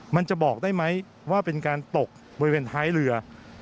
มันจะบอกได้ไหมว่าเป็นการตกบริเวณท้ายเรือ